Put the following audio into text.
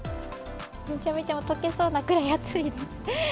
めちゃめちゃ溶けそうなくらい暑いです。